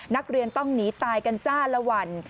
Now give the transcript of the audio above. นักเรียนต้องหนีตายกันจ้าละวัน